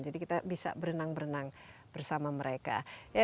jadi kita bisa berenang berenang bersama mereka